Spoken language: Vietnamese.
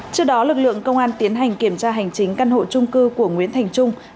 trước đó lực lượng công an tiến hành kiểm tra hành chính căn hộ trung cư của nguyễn thành trung